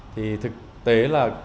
thì thực tế là